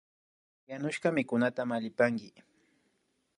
Yanushka mikunata mallipanki